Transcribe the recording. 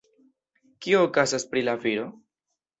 Kio okazas pri la viro?